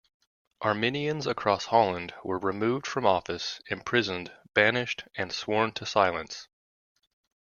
Arminians across Holland were removed from office, imprisoned, banished, and sworn to silence.